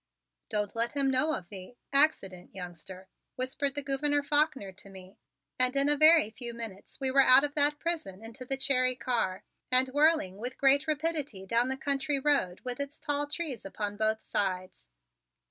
"Don't let him know of the accident, youngster," whispered the Gouverneur Faulkner to me, and in a very few minutes we were out of that prison into the Cherry car, and whirling with great rapidity down the country road with its tall trees upon both sides.